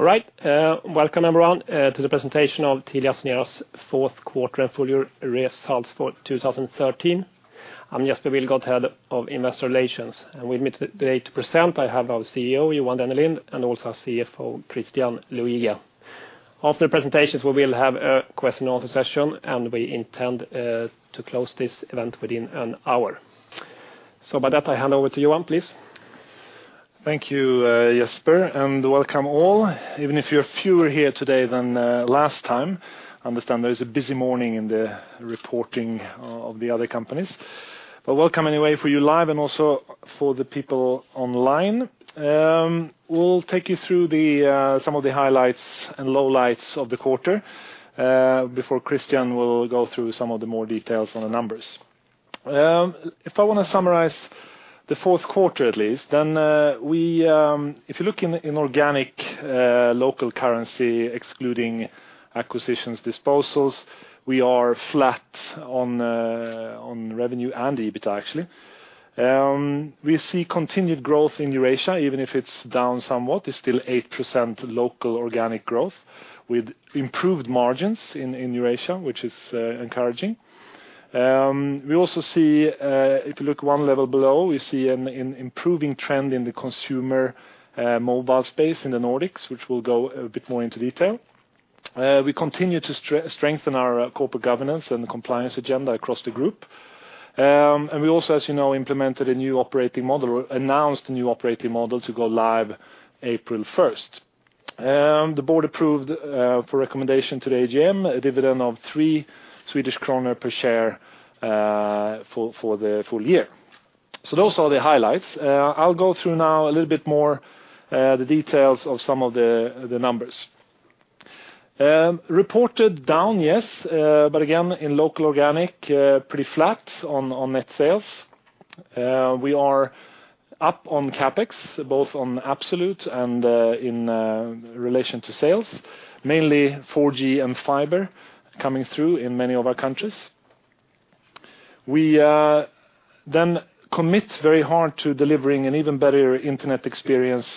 All right. Welcome everyone to the presentation of TeliaSonera's fourth quarter and full year results for 2013. I'm Jesper Wilgodt, Head of Investor Relations, and with me today to present, I have our CEO, Johan Dennelind, and also our CFO, Christian Luiga. After the presentations, we will have a question and answer session, and we intend to close this event within an hour. With that, I hand over to Johan, please. Thank you, Jesper, and welcome all. Even if you're fewer here today than last time. I understand there is a busy morning in the reporting of the other companies. Welcome anyway for you live and also for the people online. We'll take you through some of the highlights and lowlights of the quarter, before Christian will go through some of the more details on the numbers. If I want to summarize the fourth quarter at least, if you look in organic local currency, excluding acquisitions, disposals, we are flat on revenue and EBITA actually. We see continued growth in Eurasia, even if it's down somewhat. It's still 8% local organic growth with improved margins in Eurasia, which is encouraging. We also see, if you look 1 level below, we see an improving trend in the consumer mobile space in the Nordics, which we'll go a bit more into detail. We continue to strengthen our corporate governance and the compliance agenda across the group. We also, as you know, implemented a new operating model, announced a new operating model to go live April 1st. The board approved for recommendation to the AGM, a dividend of 3 Swedish kronor per share for the full year. Those are the highlights. I'll go through now a little bit more the details of some of the numbers. Reported down, yes, but again, in local organic, pretty flat on net sales. We are up on CapEx, both on absolute and in relation to sales, mainly 4G and fiber coming through in many of our countries. We then commit very hard to delivering an even better internet experience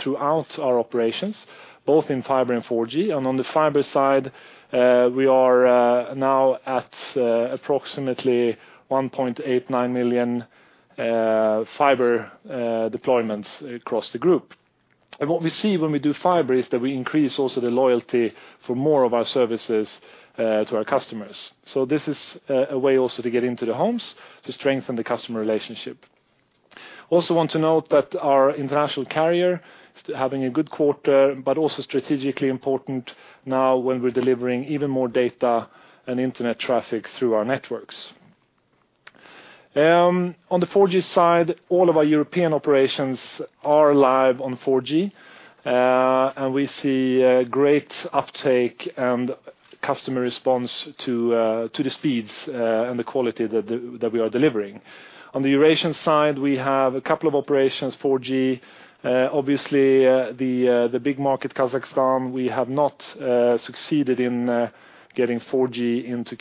throughout our operations, both in fiber and 4G. On the fiber side, we are now at approximately 1.89 million fiber deployments across the group. What we see when we do fiber is that we increase also the loyalty for more of our services to our customers. So this is a way also to get into the homes to strengthen the customer relationship. Also want to note that our international carrier is having a good quarter, but also strategically important now when we're delivering even more data and internet traffic through our networks. On the 4G side, all of our European operations are live on 4G, we see great uptake and customer response to the speeds and the quality that we are delivering. On the Eurasian side, we have a couple of operations, 4G. Obviously, the big market, Kazakhstan, we have not succeeded in getting 4G into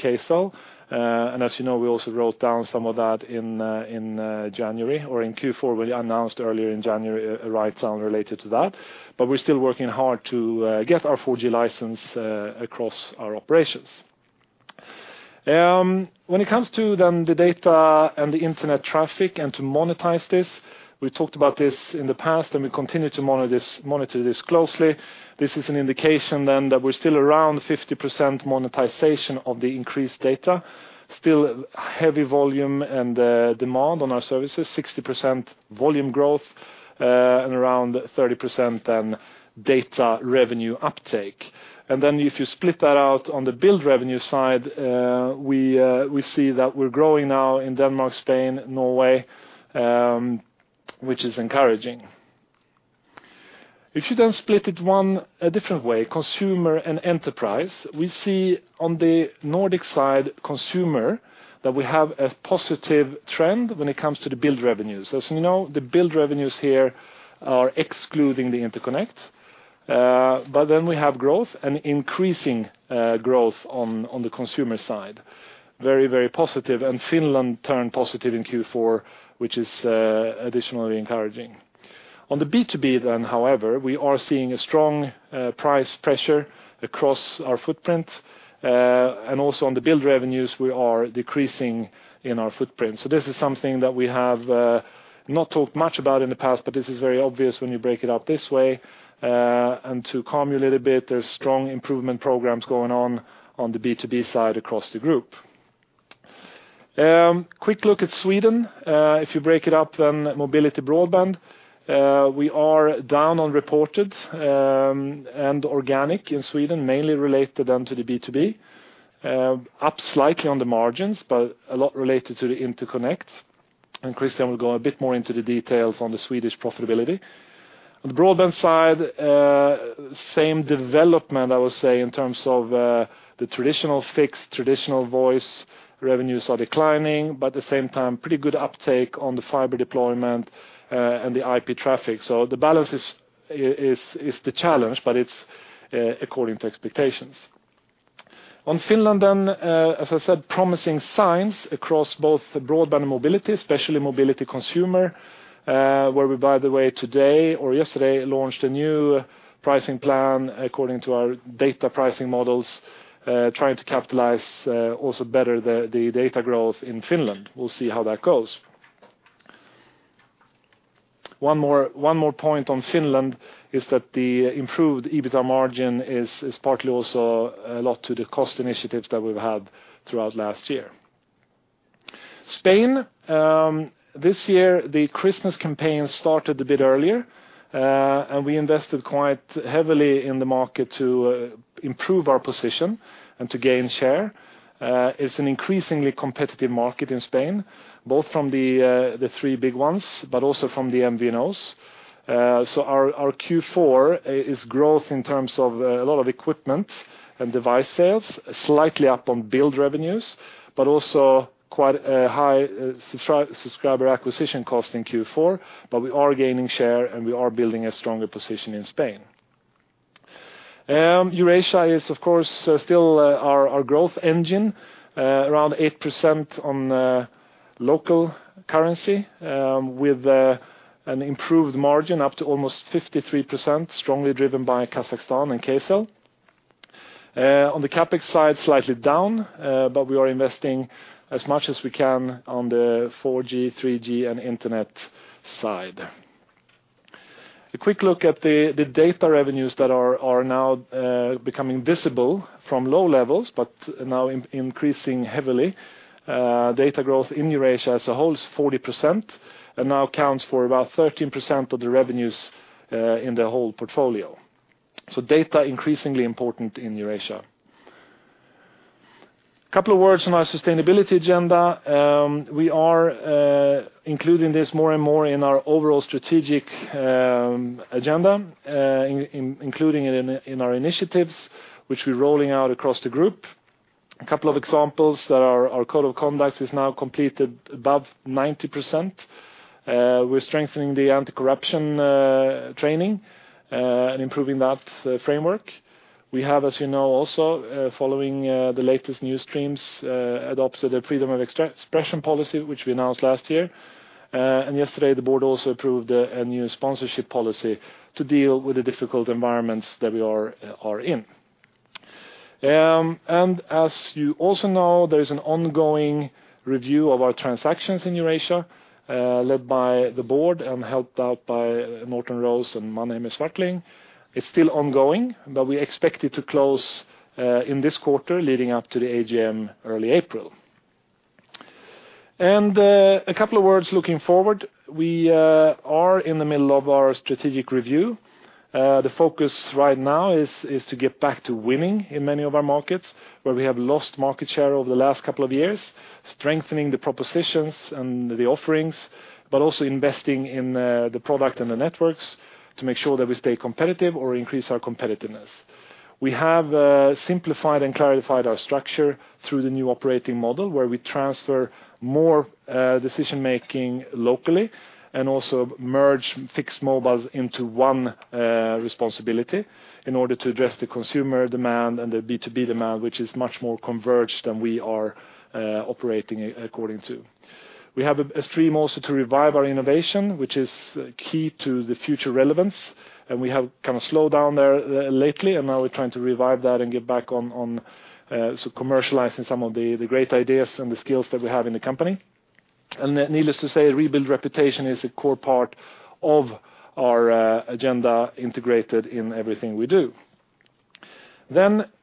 Kcell. As you know, we also wrote down some of that in January, or in Q4. We announced earlier in January a write-down related to that. We're still working hard to get our 4G license across our operations. When it comes to the data and the internet traffic and to monetize this, we talked about this in the past, and we continue to monitor this closely. This is an indication that we're still around 50% monetization of the increased data. Still heavy volume and demand on our services, 60% volume growth, and around 30% data revenue uptake. If you split that out on the billed revenue side, we see that we're growing now in Denmark, Spain, Norway, which is encouraging. If you split it a different way, consumer and enterprise, we see on the Nordic side consumer that we have a positive trend when it comes to the billed revenues. As you know, the billed revenues here are excluding the interconnect. We have growth and increasing growth on the consumer side. Very positive. Finland turned positive in Q4, which is additionally encouraging. On the B2B, however, we are seeing a strong price pressure across our footprint, and also on the billed revenues, we are decreasing in our footprint. This is something that we have not talked much about in the past, but this is very obvious when you break it up this way. To calm you a little bit, there's strong improvement programs going on the B2B side across the group. Quick look at Sweden. If you break it up mobility broadband, we are down on reported and organic in Sweden, mainly related to the B2B. Up slightly on the margins, but a lot related to the interconnect. Christian will go a bit more into the details on the Swedish profitability. On the broadband side, same development, I would say, in terms of the traditional fixed, traditional voice revenues are declining, but at the same time, pretty good uptake on the fiber deployment and the IP traffic. The balance is the challenge, but it's according to expectations. On Finland, as I said, promising signs across both broadband and mobility, especially mobility consumer, where we, by the way, today or yesterday, launched a new pricing plan according to our data pricing models, trying to capitalize also better the data growth in Finland. We'll see how that goes. One more point on Finland is that the improved EBITA margin is partly also a lot to the cost initiatives that we've had throughout last year. Spain, this year, the Christmas campaign started a bit earlier. We invested quite heavily in the market to improve our position and to gain share. It's an increasingly competitive market in Spain, both from the three big ones, but also from the MVNOs. Our Q4 is growth in terms of a lot of equipment and device sales, slightly up on billed revenues, but also quite a high subscriber acquisition cost in Q4, but we are gaining share and we are building a stronger position in Spain. Eurasia is, of course, still our growth engine. Around 8% on local currency, with an improved margin up to almost 53%, strongly driven by Kazakhstan and Kcell. On the CapEx side, slightly down, but we are investing as much as we can on the 4G, 3G, and internet side. A quick look at the data revenues that are now becoming visible from low levels, but now increasing heavily. Data growth in Eurasia as a whole is 40% and now accounts for about 13% of the revenues in the whole portfolio. So data increasingly important in Eurasia. A couple of words on our sustainability agenda. We are including this more and more in our overall strategic agenda, including it in our initiatives, which we're rolling out across the group. A couple of examples that our code of conduct is now completed above 90%. We're strengthening the anti-corruption training, and improving that framework. We have, as you know also, following the latest news streams, adopted a freedom of expression policy, which we announced last year. Yesterday, the board also approved a new sponsorship policy to deal with the difficult environments that we are in. As you also know, there's an ongoing review of our transactions in Eurasia, led by the board and helped out by Norton Rose and Mannheimer Swartling. It's still ongoing, but we expect it to close in this quarter, leading up to the AGM early April. A couple of words looking forward. We are in the middle of our strategic review. The focus right now is to get back to winning in many of our markets where we have lost market share over the last couple of years, strengthening the propositions and the offerings, but also investing in the product and the networks to make sure that we stay competitive or increase our competitiveness. We have simplified and clarified our structure through the new operating model, where we transfer more decision-making locally and also merge fixed mobiles into one responsibility in order to address the consumer demand and the B2B demand, which is much more converged than we are operating according to. We have a stream also to revive our innovation, which is key to the future relevance, and we have slowed down there lately, and now we're trying to revive that and get back on commercializing some of the great ideas and the skills that we have in the company. Needless to say, rebuild reputation is a core part of our agenda integrated in everything we do.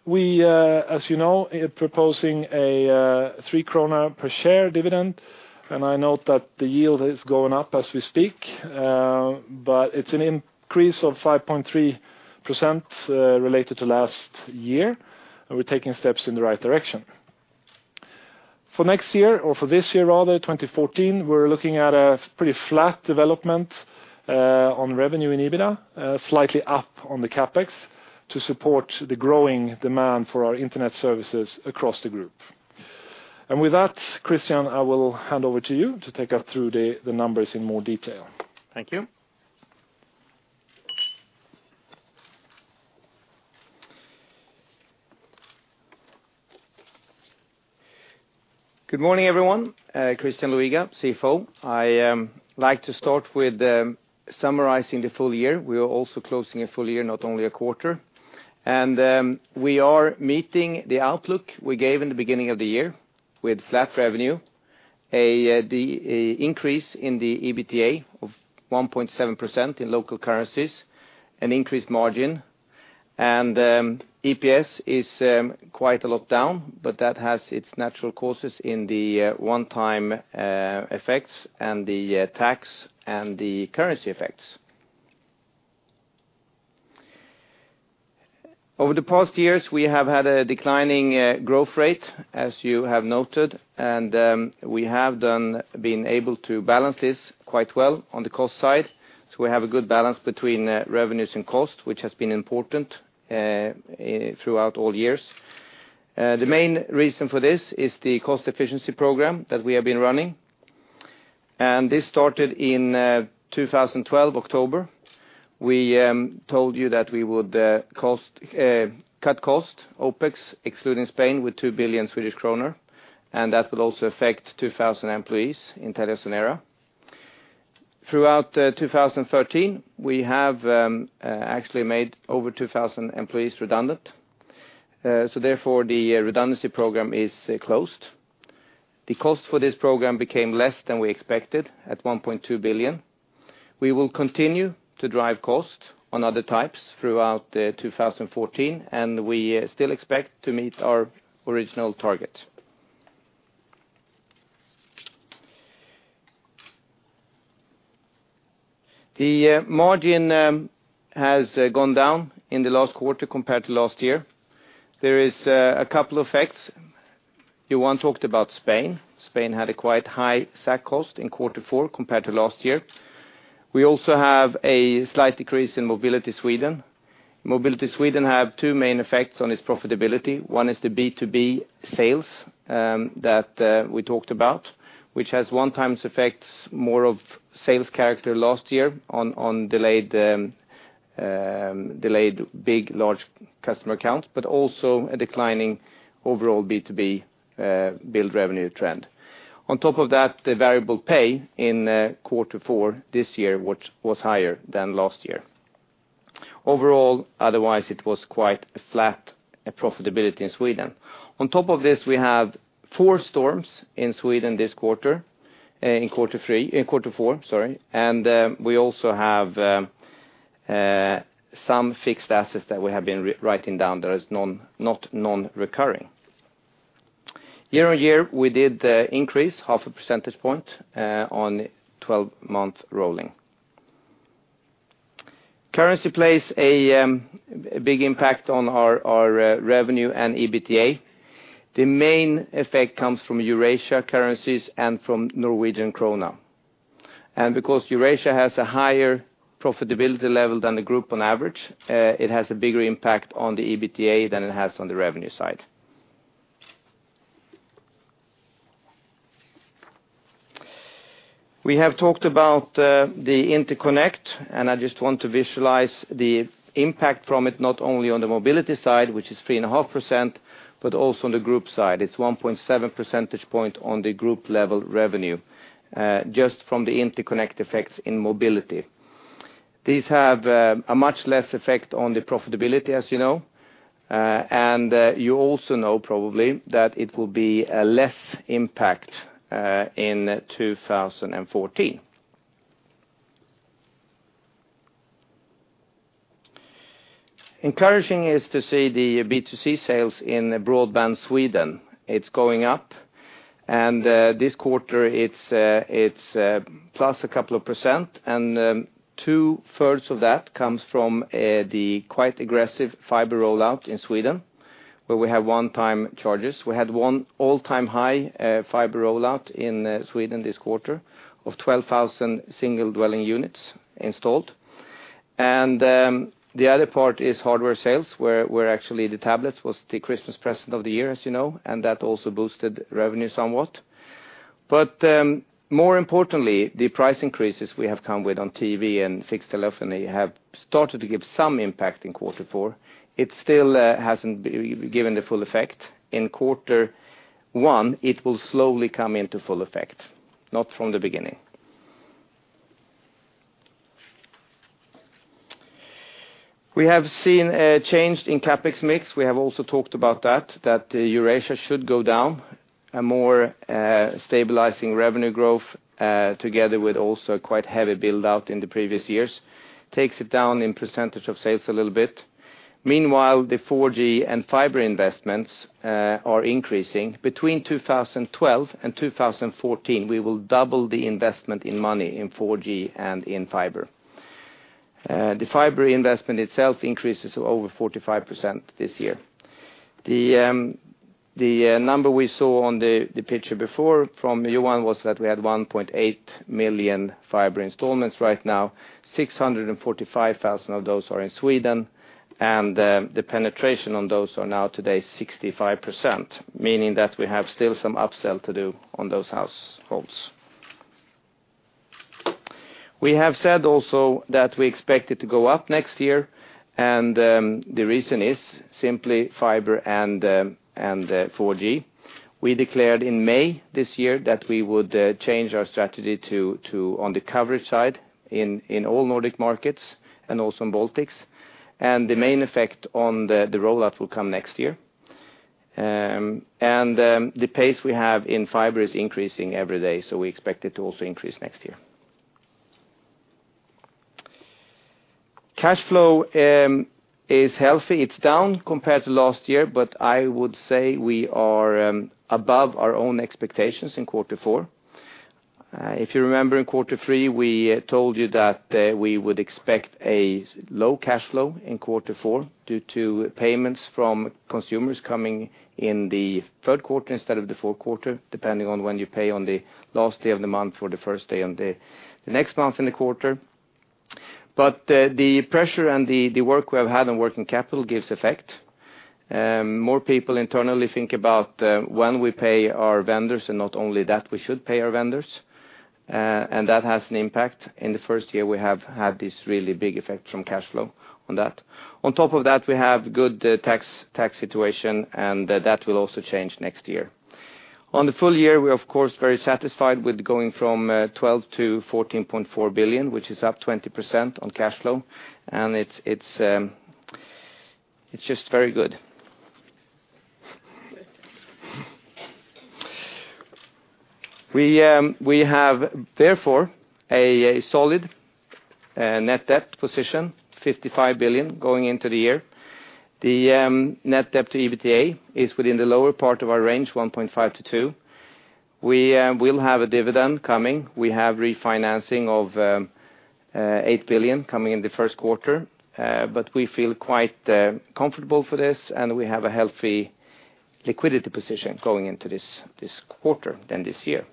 We, as you know, are proposing a 3 kronor per share dividend, and I note that the yield is going up as we speak. It's an increase of 5.3% related to last year, and we're taking steps in the right direction. For next year, or for this year rather, 2014, we're looking at a pretty flat development on revenue and EBITA, slightly up on the CapEx to support the growing demand for our internet services across the group. With that, Christian, I will hand over to you to take us through the numbers in more detail. Thank you. Good morning, everyone. Christian Luiga, CFO. I like to start with summarizing the full year. We are also closing a full year, not only a quarter. We are meeting the outlook we gave in the beginning of the year with flat revenue, the increase in the EBITDA of 1.7% in local currencies, an increased margin. EPS is quite a lot down, but that has its natural courses in the one-time effects and the tax and the currency effects. Over the past years, we have had a declining growth rate, as you have noted. We have been able to balance this quite well on the cost side. We have a good balance between revenues and cost, which has been important throughout all years. The main reason for this is the cost efficiency program that we have been running. This started in October 2012. We told you that we would cut cost OpEx, excluding Spain, with 2 billion Swedish kronor, and that will also affect 2,000 employees in TeliaSonera. Throughout 2013, we have actually made over 2,000 employees redundant. Therefore, the redundancy program is closed. The cost for this program became less than we expected, at 1.2 billion. We will continue to drive cost on other types throughout 2014, and we still expect to meet our original target. The margin has gone down in the last quarter compared to last year. There are a couple effects. Johan talked about Spain. Spain had a quite high SAC cost in Q4 compared to last year. We also have a slight decrease in Mobility Sweden. Mobility Sweden has two main effects on its profitability. One is the B2B sales that we talked about, which has one-time effects more of sales character last year on delayed big large customer accounts, also a declining overall B2B billed revenue trend. On top of that, the variable pay in Q4 this year was higher than last year. Overall, otherwise, it was quite a flat profitability in Sweden. On top of this, we have 4 storms in Sweden this quarter, in Q4, sorry. We also have some fixed assets that we have been writing down that is not non-recurring. Year-over-year, we did increase half a percentage point on 12-month rolling. Currency plays a big impact on our revenue and EBITDA. The main effect comes from Eurasia currencies and from Norwegian krone. Because Eurasia has a higher profitability level than the group on average, it has a bigger impact on the EBITDA than it has on the revenue side. We have talked about the interconnect. I just want to visualize the impact from it, not only on the mobility side, which is 3.5%, also on the group side. It is 1.7 percentage point on the group level revenue, just from the interconnect effects in mobility. These have a much less effect on the profitability, as you know. You also know probably that it will be a less impact in 2014. Encouraging is to see the B2C sales in broadband Sweden. It is going up. This quarter it is plus a couple of percent. Two-thirds of that comes from the quite aggressive fiber rollout in Sweden, where we have one-time charges. We had one all-time high fiber rollout in Sweden this quarter of 12,000 single dwelling units installed. The other part is hardware sales, where actually the tablets was the Christmas present of the year, as you know, and that also boosted revenue somewhat. More importantly, the price increases we have come with on TV and fixed telephony have started to give some impact in Q4. It still hasn't given the full effect. In Q1, it will slowly come into full effect, not from the beginning. We have seen a change in CapEx mix. We have also talked about that Eurasia should go down. A more stabilizing revenue growth, together with also quite heavy build-out in the previous years, takes it down in percentage of sales a little bit. Meanwhile, the 4G and fiber investments are increasing. Between 2012 and 2014, we will double the investment in money in 4G and in fiber. The fiber investment itself increases over 45% this year. The number we saw on the picture before from Johan was that we had 1.8 million fiber installments right now, 645,000 of those are in Sweden, and the penetration on those are now today 65%, meaning that we have still some upsell to do on those households. We have said also that we expect it to go up next year. The reason is simply fiber and 4G. We declared in May this year that we would change our strategy on the coverage side in all Nordic markets and also in Baltics. The main effect on the rollout will come next year. The pace we have in fiber is increasing every day, so we expect it to also increase next year. Cash flow is healthy. It's down compared to last year, but I would say we are above our own expectations in Q4. If you remember, in Q3, we told you that we would expect a low cash flow in Q4 due to payments from consumers coming in the third quarter instead of the fourth quarter, depending on when you pay on the last day of the month or the first day on the next month in the quarter. The pressure and the work we have had on working capital gives effect. More people internally think about when we pay our vendors, and not only that we should pay our vendors, and that has an impact. In the first year, we have had this really big effect from cash flow on that. On top of that, we have good tax situation, and that will also change next year. On the full year, we are, of course, very satisfied with going from 12 billion to 14.4 billion, which is up 20% on cash flow, and it's just very good. We have, therefore, a solid net debt position, 55 billion going into the year. The net debt to EBITDA is within the lower part of our range, 1.5 to 2. We will have a dividend coming. We have refinancing of 8 billion coming in the first quarter, but we feel quite comfortable for this, and we have a healthy liquidity position going into this quarter then this year.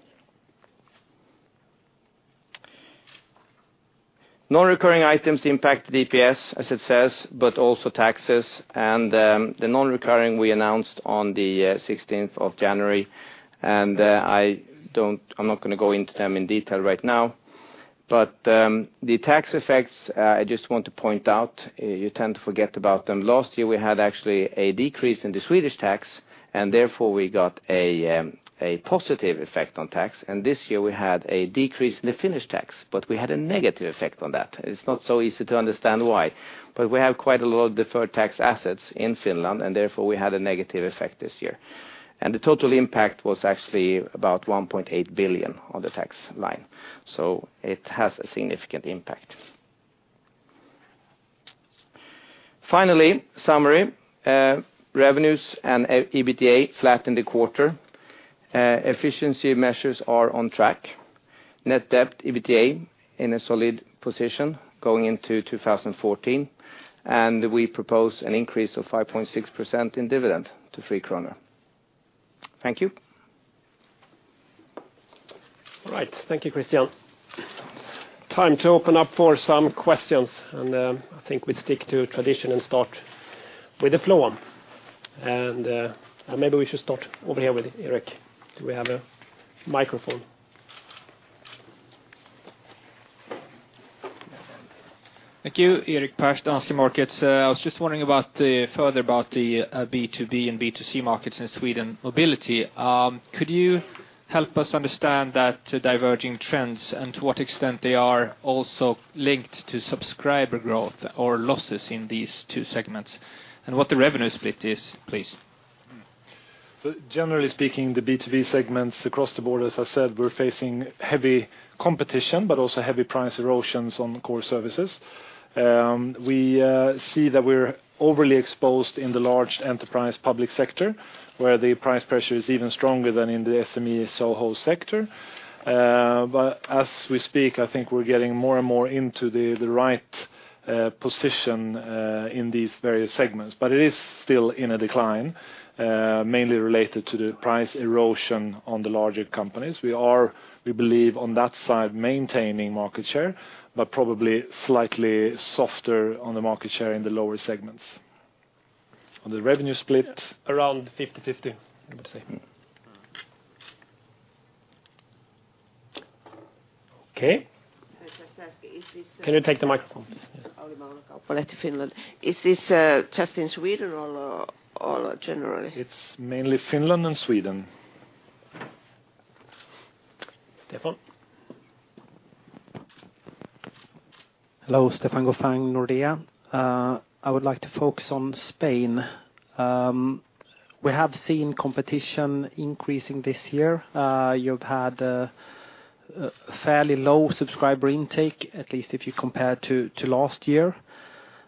Non-recurring items impact the EPS, as it says, but also taxes. The non-recurring we announced on the 16th of January, and I'm not going to go into them in detail right now. The tax effects, I just want to point out, you tend to forget about them. Last year, we had actually a decrease in the Swedish tax, and therefore, we got a positive effect on tax. This year we had a decrease in the Finnish tax, but we had a negative effect on that. It's not so easy to understand why, but we have quite a lot of deferred tax assets in Finland, and therefore, we had a negative effect this year. The total impact was actually about 1.8 billion on the tax line, so it has a significant impact. Finally, summary. Revenues and EBITDA flat in the quarter. Efficiency measures are on track. Net debt, EBITDA in a solid position going into 2014. We propose an increase of 5.3% in dividend to SEK 3. Thank you. All right. Thank you, Christian. It's time to open up for some questions, and I think we'll stick to tradition and start with the floor. Maybe we should start over here with Erik. Do we have a microphone? Thank you. Erik Pers, Danske Markets. I was just wondering further about the B2B and B2C markets in Sweden mobility. Could you help us understand that diverging trends and to what extent they are also linked to subscriber growth or losses in these two segments, and what the revenue split is, please? Generally speaking, the B2B segments across the board, as I said, we're facing heavy competition but also heavy price erosions on core services. We see that we're overly exposed in the large enterprise public sector, where the price pressure is even stronger than in the SME solo sector. As we speak, I think we're getting more and more into the right position in these various segments. It is still in a decline, mainly related to the price erosion on the larger companies. We believe on that side, maintaining market share, but probably slightly softer on the market share in the lower segments. On the revenue split. Around 50/50, I would say. Okay. Can you take the microphone, please? Yes. [Auli Malmikausi, Finlandsbanken]. Is this just in Sweden or generally? It's mainly Finland and Sweden. Stefan. Hello. Stefan Gauffin, Nordea. I would like to focus on Spain. We have seen competition increasing this year. You've had a fairly low subscriber intake, at least if you compare to last year.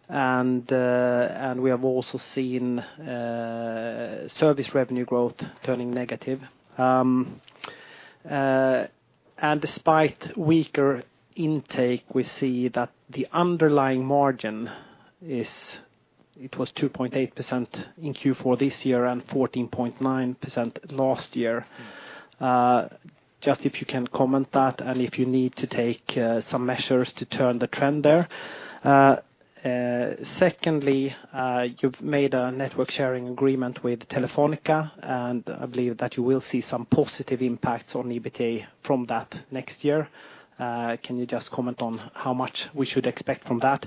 We have also seen service revenue growth turning negative. Despite weaker intake, we see that the underlying margin it was 2.8% in Q4 this year and 14.9% last year. Just if you can comment that and if you need to take some measures to turn the trend there. Secondly, you've made a network sharing agreement with Telefónica, and I believe that you will see some positive impacts on EBITDA from that next year. Can you just comment on how much we should expect from that?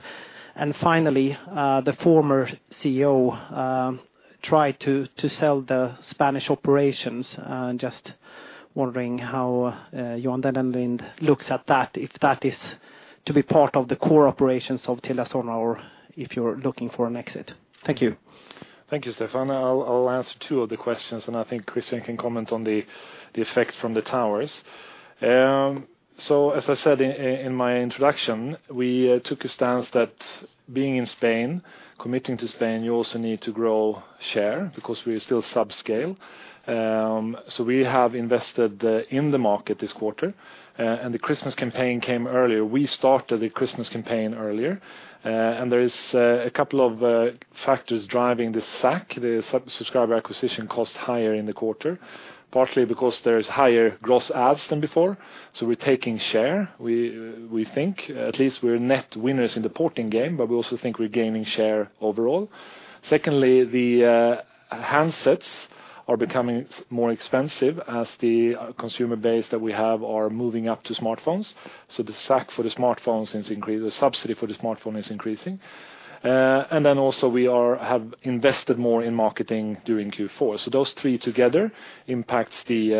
Finally, the former CEO tried to sell the Spanish operations. Just wondering how Johan Dennelind looks at that, if that is to be part of the core operations of TeliaSonera, or if you're looking for an exit. Thank you. Thank you, Stefan. I'll answer two of the questions, and I think Christian can comment on the effect from the towers. As I said in my introduction, we took a stance that being in Spain, committing to Spain, you also need to grow share because we're still subscale. We have invested in the market this quarter, and the Christmas campaign came earlier. We started the Christmas campaign earlier, there is a couple of factors driving this SAC, the subscriber acquisition cost higher in the quarter, partly because there is higher gross adds than before. We're taking share, we think. At least we're net winners in the porting game, we also think we're gaining share overall. Secondly, the handsets are becoming more expensive as the consumer base that we have are moving up to smartphones. The subsidy for the smartphone is increasing. Also we have invested more in marketing during Q4. Those three together impacts the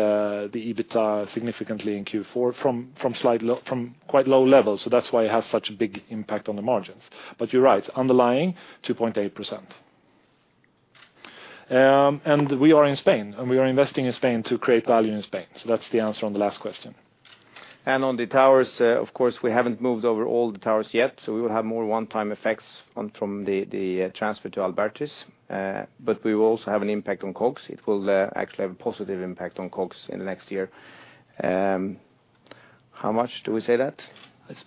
EBITDA significantly in Q4 from quite low levels. That's why it has such a big impact on the margins. You're right, underlying 2.8%. We are in Spain, we are investing in Spain to create value in Spain. That's the answer on the last question. On the towers, of course, we haven't moved over all the towers yet, we will have more one-time effects from the transfer to Abertis. We will also have an impact on COGS. It will actually have a positive impact on COGS in the next year. How much do we say that?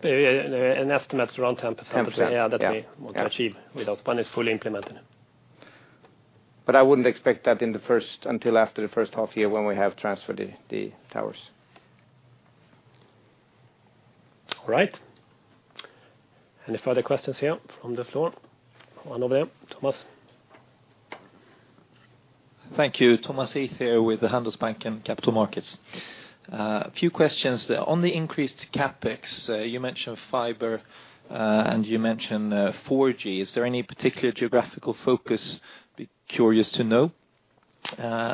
An estimate is around 10%. 10%. Yeah. That we want to achieve when it's fully implemented. I wouldn't expect that until after the first half year when we have transferred the towers. All right. Any further questions here from the floor? One over there, Thomas. Thank you. Thomas Heath here with the Handelsbanken Capital Markets. A few questions. On the increased CapEx, you mentioned fiber, and you mentioned 4G. Is there any particular geographical focus? Be curious to know.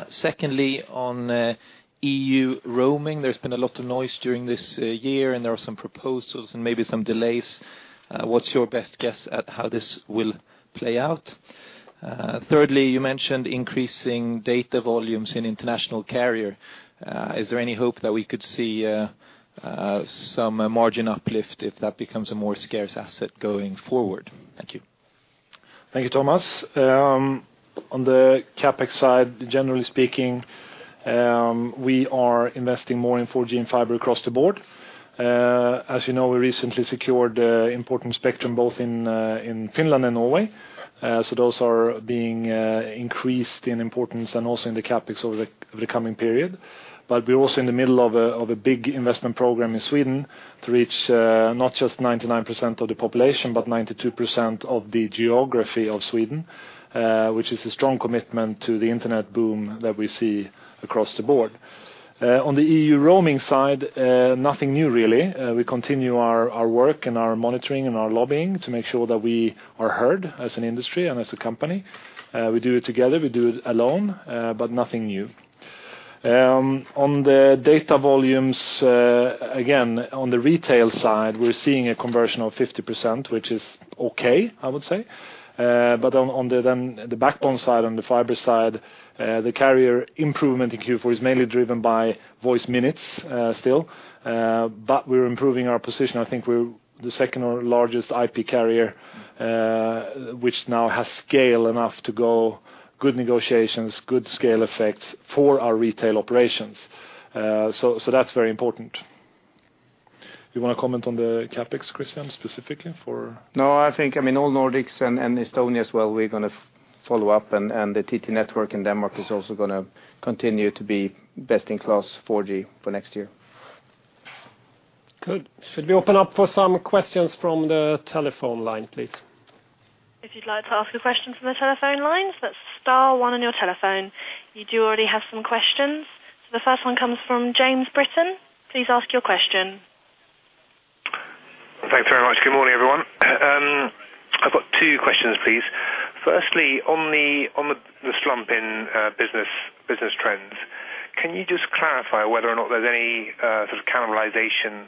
Secondly, on EU roaming, there's been a lot of noise during this year, and there are some proposals and maybe some delays. What's your best guess at how this will play out? Thirdly, you mentioned increasing data volumes in international carrier. Is there any hope that we could see some margin uplift if that becomes a more scarce asset going forward? Thank you. Thank you, Thomas. On the CapEx side, generally speaking, we are investing more in 4G and fiber across the board. As you know, we recently secured important spectrum both in Finland and Norway. Those are being increased in importance and also in the CapEx over the coming period. We're also in the middle of a big investment program in Sweden to reach not just 99% of the population, but 92% of the geography of Sweden, which is a strong commitment to the internet boom that we see across the board. On the EU roaming side, nothing new really. We continue our work and our monitoring and our lobbying to make sure that we are heard as an industry and as a company. We do it together, we do it alone, but nothing new. On the data volumes, again, on the retail side, we're seeing a conversion of 50%, which is okay, I would say. On the backbone side, on the fiber side, the carrier improvement in Q4 is mainly driven by voice minutes still, but we're improving our position. I think we're the second or largest IP carrier, which now has scale enough to go good negotiations, good scale effects for our retail operations. That's very important. You want to comment on the CapEx, Christian, specifically for- No, I think all Nordics and Estonia as well, we're going to follow up, and the TT Network in Denmark is also going to continue to be best-in-class 4G for next year. Good. Should we open up for some questions from the telephone line, please? If you'd like to ask a question from the telephone lines, that's star one on your telephone. You do already have some questions. The first one comes from James Britton. Please ask your question. Thanks very much. Good morning, everyone. I've got two questions, please. Firstly, on the slump in business trends, can you just clarify whether or not there's any sort of cannibalization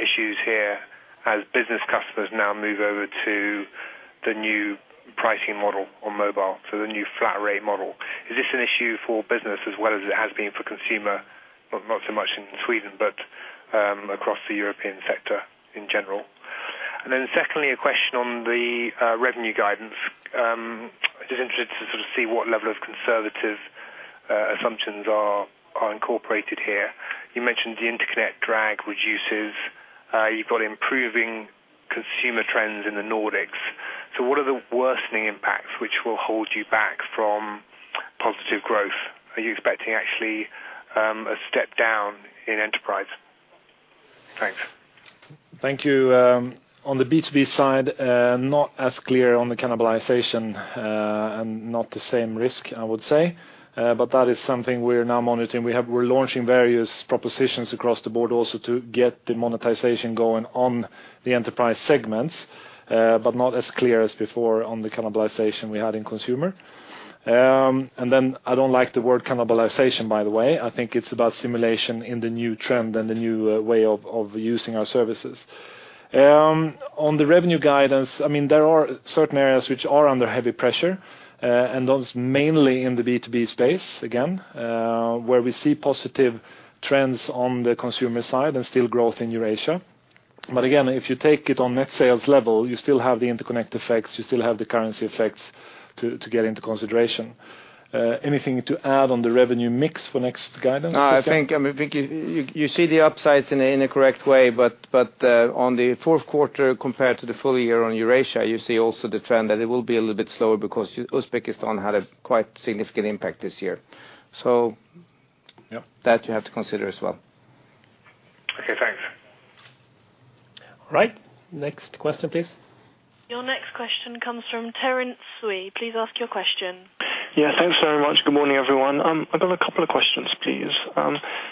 issues here as business customers now move over to the new pricing model on mobile, so the new flat rate model. Is this an issue for business as well as it has been for consumer? Not so much in Sweden, but across the European sector in general. Secondly, a question on the revenue guidance. Just interested to sort of see what level of conservative assumptions are incorporated here. You mentioned the interconnect drag reduces. You've got improving consumer trends in the Nordics. What are the worsening impacts which will hold you back from positive growth? Are you expecting actually a step down in enterprise? Thanks. Thank you. On the B2B side, not as clear on the cannibalization, and not the same risk, I would say. That is something we're now monitoring. We're launching various propositions across the board also to get the monetization going on the enterprise segments, but not as clear as before on the cannibalization we had in consumer. I don't like the word cannibalization, by the way. I think it's about stimulation in the new trend and the new way of using our services. On the revenue guidance, there are certain areas which are under heavy pressure, and those mainly in the B2B space, again, where we see positive trends on the consumer side and still growth in Eurasia. Again, if you take it on net sales level, you still have the interconnect effects, you still have the currency effects to get into consideration. Anything to add on the revenue mix for next guidance? No, I think you see the upsides in a correct way, on the fourth quarter compared to the full year on Eurasia, you see also the trend that it will be a little bit slower because Uzbekistan had a quite significant impact this year. That you have to consider as well. All right. Next question, please. Your next question comes from Terence Sui. Please ask your question. Yeah. Thanks very much. Good morning, everyone. I've got a couple of questions, please.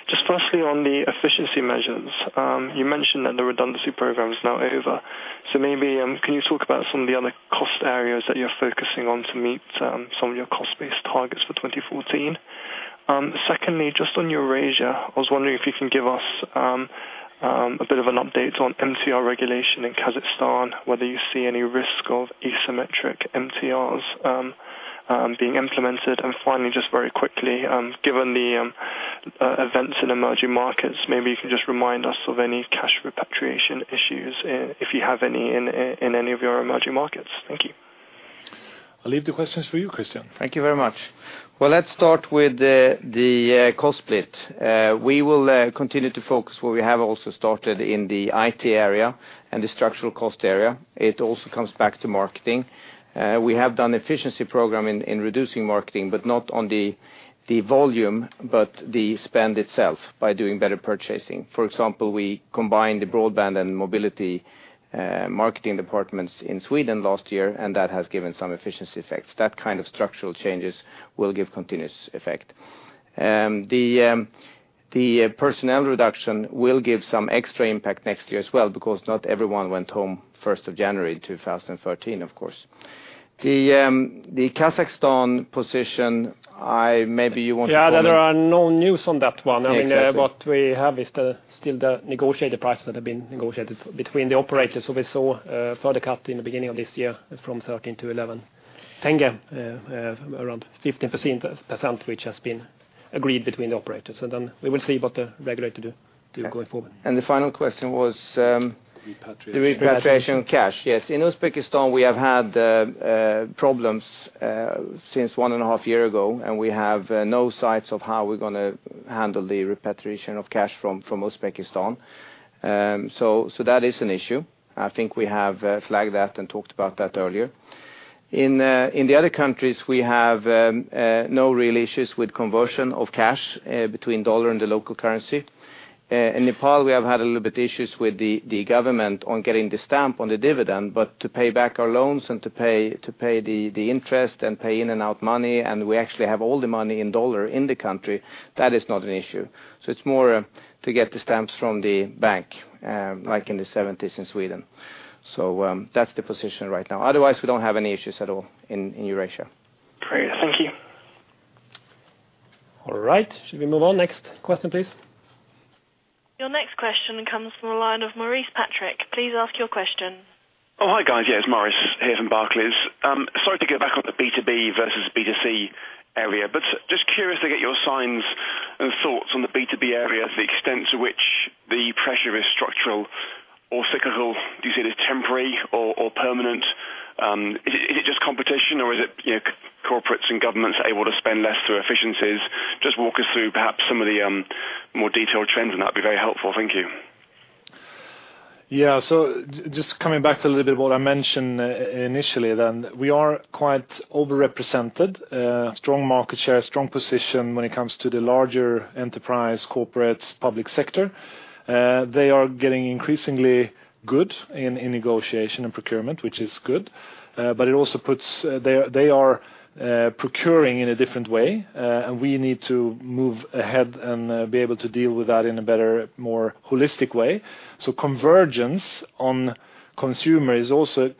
Just firstly, on the efficiency measures. You mentioned that the redundancy program is now over. Maybe, can you talk about some of the other cost areas that you're focusing on to meet some of your cost-based targets for 2014? Secondly, just on Eurasia, I was wondering if you can give us a bit of an update on MTR regulation in Kazakhstan, whether you see any risk of asymmetric MTRs being implemented. Finally, just very quickly, given the events in emerging markets, maybe you can just remind us of any cash repatriation issues, if you have any in any of your emerging markets. Thank you. I'll leave the questions for you, Christian. Thank you very much. Well, let's start with the cost split. We will continue to focus where we have also started in the IT area and the structural cost area. It also comes back to marketing. We have done efficiency program in reducing marketing, but not on the volume, but the spend itself by doing better purchasing. For example, we combined the broadband and mobility marketing departments in Sweden last year, and that has given some efficiency effects. That kind of structural changes will give continuous effect. The personnel reduction will give some extra impact next year as well, because not everyone went home 1st of January 2013, of course. The Kazakhstan position, maybe you want to- Yeah, there are no news on that one. Exactly. What we have is still the negotiated price that have been negotiated between the operators. We saw a further cut in the beginning of this year from 13 to 11 tenge, around 15%, which has been agreed between the operators. We will see what the regulator do going forward. The final question was. Repatriation The repatriation cash. Yes. In Uzbekistan, we have had problems since one and a half year ago, and we have no sights of how we're going to handle the repatriation of cash from Uzbekistan. That is an issue. I think we have flagged that and talked about that earlier. In the other countries, we have no real issues with conversion of cash between U.S. dollar and the local currency. In Nepal, we have had a little bit issues with the government on getting the stamp on the dividend. To pay back our loans and to pay the interest and pay in and out money, and we actually have all the money in U.S. dollar in the country, that is not an issue. It's more to get the stamps from the bank, like in the '70s in Sweden. That's the position right now. Otherwise, we don't have any issues at all in Eurasia. Great. Thank you. All right. Should we move on? Next question, please. Your next question comes from the line of Maurice Patrick. Please ask your question. Oh, hi, guys. It's Maurice here from Barclays. Sorry to go back on the B2B versus B2C area, just curious to get your signs and thoughts on the B2B area, the extent to which the pressure is structural or cyclical. Do you see it as temporary or permanent? Is it just competition, or is it corporates and governments are able to spend less through efficiencies? Just walk us through perhaps some of the more detailed trends, that'd be very helpful. Thank you. Just coming back to a little bit what I mentioned initially, we are quite over-represented. Strong market share, strong position when it comes to the larger enterprise corporates, public sector. They are getting increasingly good in negotiation and procurement, which is good. They are procuring in a different way, we need to move ahead and be able to deal with that in a better, more holistic way. Convergence on consumer is also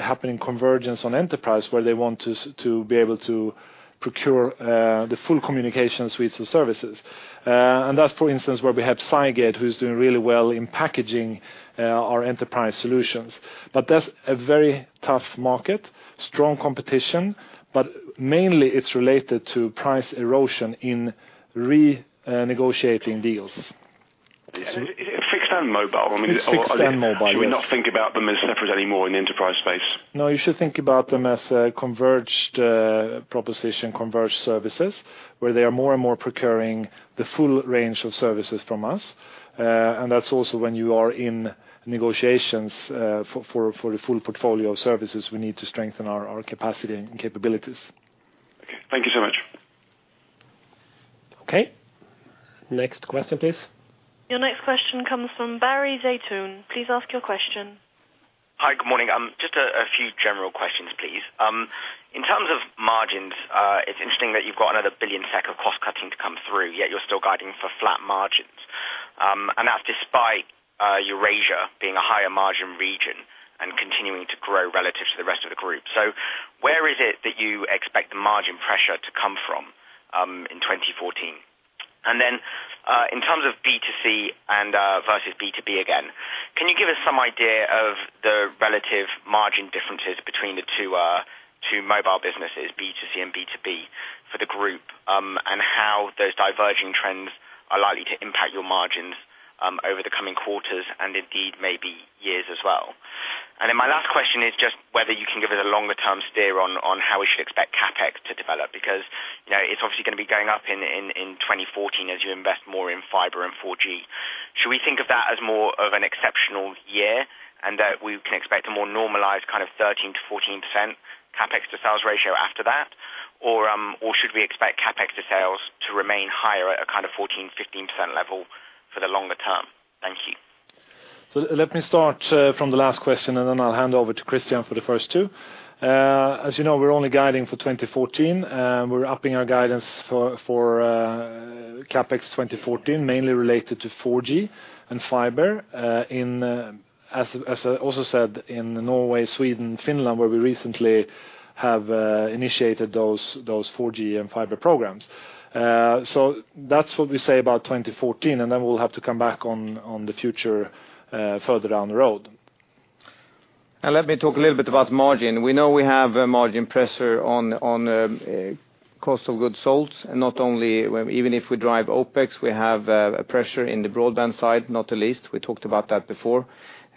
happening convergence on enterprise, where they want to be able to procure the full communication suites and services. That's, for instance, where we have Cygate, who's doing really well in packaging our enterprise solutions. That's a very tough market, strong competition, but mainly it's related to price erosion in renegotiating deals. Is it fixed and mobile? It's fixed and mobile, yes. Should we not think about them as separate anymore in the enterprise space? No, you should think about them as a converged proposition, converged services, where they are more and more procuring the full range of services from us. That's also when you are in negotiations for the full portfolio of services, we need to strengthen our capacity and capabilities. Okay. Thank you so much. Okay. Next question, please. Your next question comes from Barry Zaitoon. Please ask your question. Hi. Good morning. Just a few general questions, please. In terms of margins, it's interesting that you've got another 1 billion SEK of cost-cutting to come through, yet you're still guiding for flat margins. That's despite Eurasia being a higher-margin region and continuing to grow relative to the rest of the group. Where is it that you expect the margin pressure to come from in 2014? Then, in terms of B2C versus B2B again, can you give us some idea of the relative margin differences between the two mobile businesses, B2C and B2B, for the group, and how those diverging trends are likely to impact your margins over the coming quarters and indeed maybe years as well? My last question is just whether you can give us a longer-term steer on how we should expect CapEx to develop, because it's obviously going to be going up in 2014 as you invest more in fiber and 4G. Should we think of that as more of an exceptional year and that we can expect a more normalized kind of 13%-14% CapEx to sales ratio after that? Or should we expect CapEx to sales to remain higher at a kind of 14%-15% level for the longer term? Thank you. Let me start from the last question and then I'll hand over to Christian for the first two. As you know, we're only guiding for 2014. We're upping our guidance for CapEx 2014, mainly related to 4G and fiber. As I also said, in Norway, Sweden, Finland, where we recently have initiated those 4G and fiber programs. That's what we say about 2014, and then we'll have to come back on the future further down the road. Let me talk a little bit about margin. We know we have a margin pressure on COGS, not only even if we drive OpEx, we have a pressure in the broadband side, not the least. We talked about that before.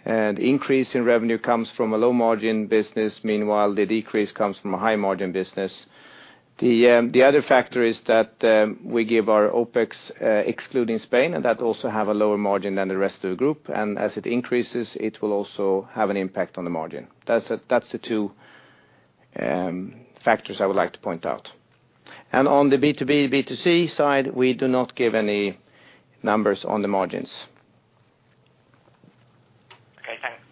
Increase in revenue comes from a low margin business. Meanwhile, the decrease comes from a high margin business. The other factor is that we give our OpEx, excluding Spain, and that also have a lower margin than the rest of the group, and as it increases, it will also have an impact on the margin. That's the two factors I would like to point out. On the B2B, B2C side, we do not give any numbers on the margins. Okay, thanks.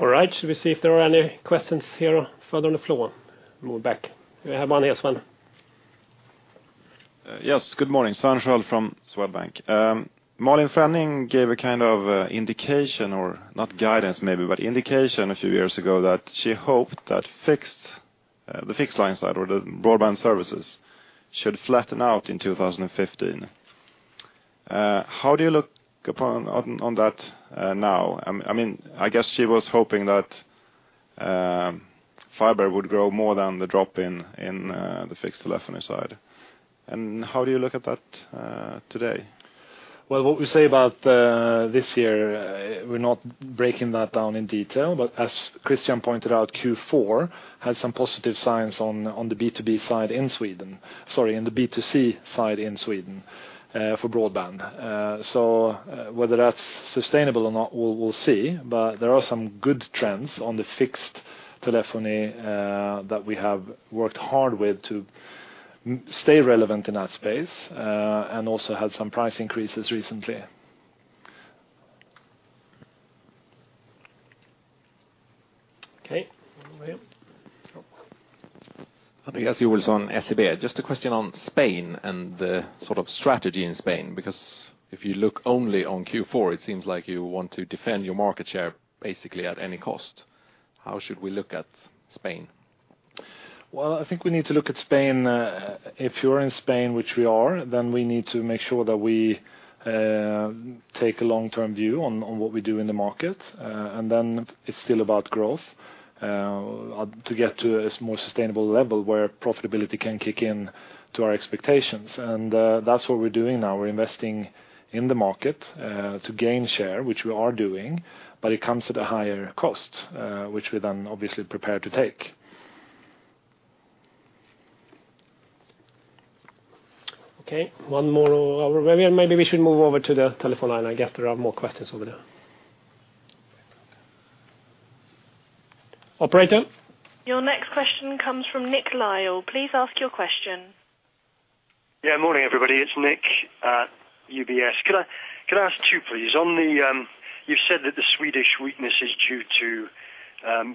All right. Should we see if there are any questions here further on the floor? We're back. We have one here, Sven. Yes. Good morning, Sven Sköld from Swedbank. Malin Frenning gave a kind of indication, or not guidance maybe, but indication a few years ago that she hoped that the fixed line side or the broadband services should flatten out in 2015. How do you look upon that now? I guess she was hoping that fiber would grow more than the drop in the fixed telephony side. How do you look at that today? What we say about this year, we're not breaking that down in detail, but as Christian pointed out, Q4 had some positive signs on the B2B side in Sweden. Sorry, in the B2C side in Sweden for broadband. Whether that's sustainable or not, we'll see, but there are some good trends on the fixed telephony that we have worked hard with to stay relevant in that space, and also had some price increases recently. Okay. Over here. Andreas Joelsson on SEB. Just a question on Spain and the sort of strategy in Spain, because if you look only on Q4, it seems like you want to defend your market share basically at any cost. How should we look at Spain? I think we need to look at Spain, if you're in Spain, which we are, we need to make sure that we take a long-term view on what we do in the market. It's still about growth, to get to a more sustainable level where profitability can kick in to our expectations, and that's what we're doing now. We're investing in the market to gain share, which we are doing, but it comes at a higher cost, which we're then obviously prepared to take. Okay. One more over here. Maybe we should move over to the telephone line. I guess there are more questions over there. Operator? Your next question comes from Nicholas Lyall. Please ask your question. Morning, everybody. It's Nick, at UBS. Could I ask two, please? You've said that the Swedish weakness is due to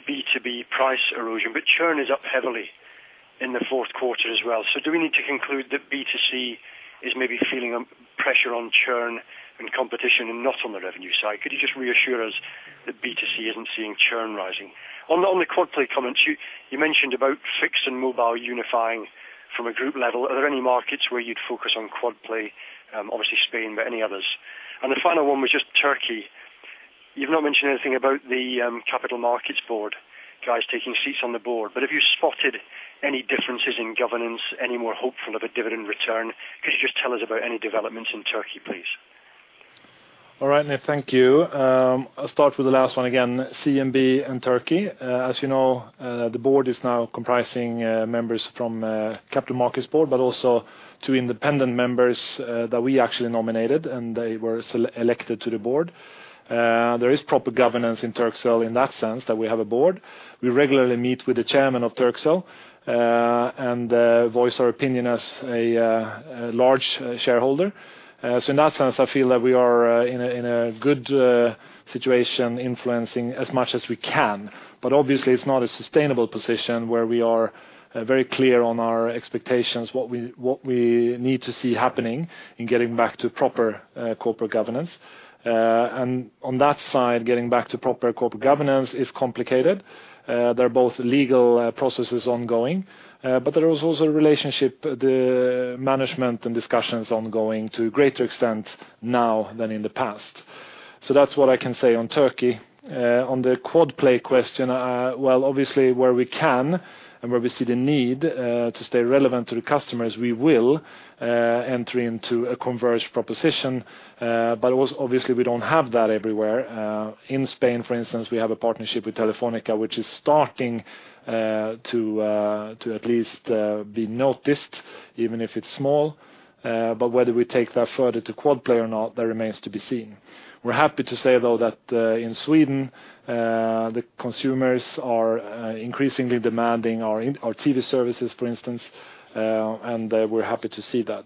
B2B price erosion. Churn is up heavily in the fourth quarter as well. Do we need to conclude that B2C is maybe feeling a pressure on churn and competition and not on the revenue side? Could you just reassure us that B2C isn't seeing churn rising? On the quad play comments, you mentioned about fixed and mobile unifying from a group level. Are there any markets where you'd focus on quad play? Obviously Spain. Any others? The final one was just Turkey. You've not mentioned anything about the Capital Markets Board, guys taking seats on the board. Have you spotted any differences in governance, any more hopeful of a dividend return? Could you just tell us about any developments in Turkey, please? All right, Nick. Thank you. I'll start with the last one again, CMB and Turkey. As you know, the board is now comprising members from Capital Markets Board, but also two independent members that we actually nominated, and they were elected to the board. There is proper governance in Turkcell in that sense that we have a board. We regularly meet with the chairman of Turkcell, and voice our opinion as a large shareholder. In that sense, I feel that we are in a good situation, influencing as much as we can. Obviously it's not a sustainable position where we are very clear on our expectations, what we need to see happening in getting back to proper corporate governance. On that side, getting back to proper corporate governance is complicated. There are both legal processes ongoing. There is also relationship, the management and discussions ongoing to a greater extent now than in the past. That's what I can say on Turkey. On the quad play question, well, obviously where we can and where we see the need to stay relevant to the customers, we will enter into a converged proposition. Obviously we don't have that everywhere. In Spain, for instance, we have a partnership with Telefónica, which is starting to at least be noticed, even if it's small. Whether we take that further to quad play or not, that remains to be seen. We're happy to say though that in Sweden, the consumers are increasingly demanding our TV services, for instance, and we're happy to see that.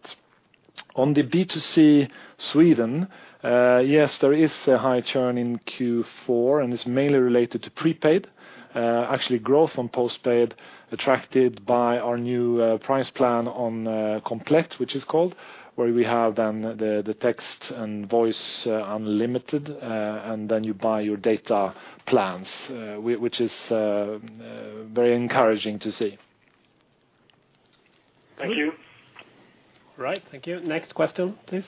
On the B2C Sweden, yes, there is a high churn in Q4, and it's mainly related to prepaid. Actually, growth on postpaid attracted by our new price plan on Komplett, where we have then the text and voice unlimited, and then you buy your data plans, which is very encouraging to see. Thank you. All right. Thank you. Next question, please.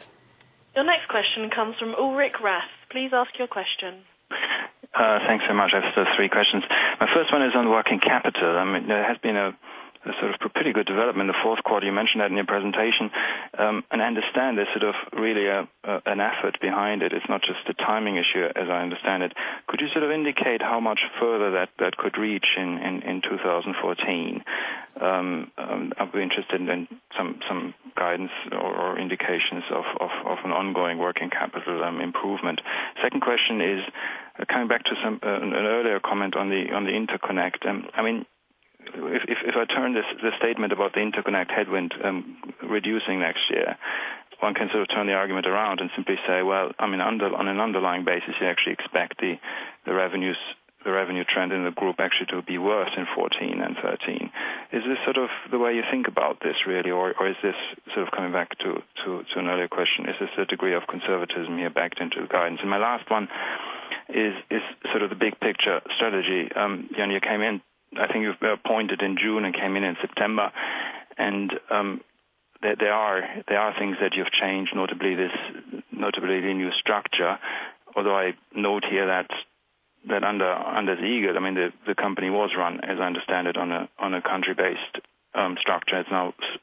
The next question comes from Ulrich Rathe. Please ask your question. Thanks so much. I have three questions. My first one is on working capital. There has been a pretty good development in the fourth quarter. You mentioned that in your presentation. I understand there's really an effort behind it. It's not just a timing issue, as I understand it. Could you indicate how much further that could reach in 2014? I'd be interested in some guidance or indications of an ongoing working capital improvement. Second question is coming back to an earlier comment on the interconnect. If I turn the statement about the interconnect headwind reducing next year, one can turn the argument around and simply say, well, on an underlying basis, you actually expect the revenue trend in the group actually to be worse in 2014 than 2013. Is this the way you think about this, really? Is this coming back to an earlier question, is this a degree of conservatism you backed into guidance? My last one is the big picture strategy. Johan, I think you were appointed in June and came in in September, and there are things that you've changed, notably the new structure. Although I note here that under Lars Nyberg, the company was run, as I understand it, on a country-based structure.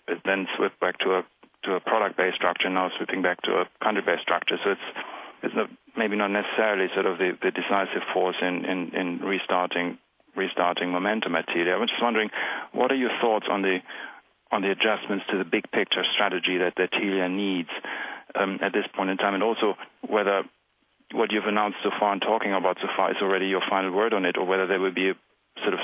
It then slipped back to a product-based structure, now slipping back to a country-based structure. It's maybe not necessarily the decisive force in restarting momentum at Telia. I was just wondering, what are your thoughts on the adjustments to the big-picture strategy that Telia needs at this point in time? Also, whether what you've announced so far and talking about so far is already your final word on it, or whether there will be